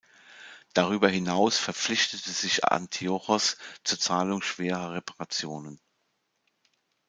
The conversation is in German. Darüber hinaus verpflichtete sich Antiochos zur Zahlung schwerer Reparationen.